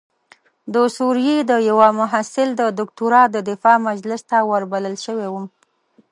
د سوریې د یوه محصل د دکتورا د دفاع مجلس ته وربلل شوی وم.